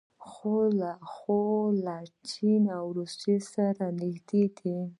خو له چین او روسیې سره نږدې دي.